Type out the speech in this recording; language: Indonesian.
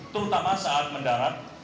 terutama saat mendarat